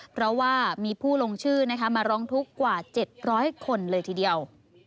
เพราะว่ามีผู้ลงชื่อมาร้องทุกข์กว่า๗๐๐คนเลยทีเดียว